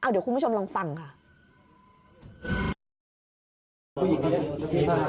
เดี๋ยวคุณผู้ชมลองฟังค่ะ